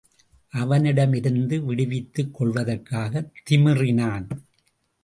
அவனிடமிருந்து விடுவித்துக் கொள்வதற்காகத் திமிறினாள்.